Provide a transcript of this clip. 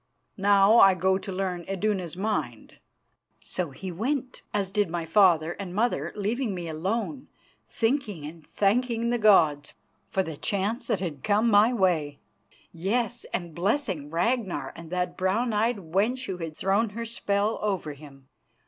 Now I go to learn Iduna's mind." So he went; as did my father and mother, leaving me alone, thinking and thanking the gods for the chance that had come my way yes, and blessing Ragnar and that brown eyed wench who had thrown her spell over him.